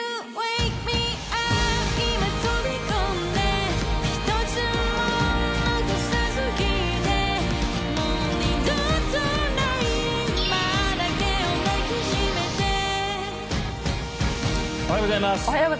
おはようございます。